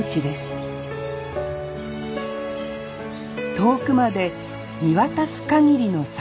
遠くまで見渡す限りの桜。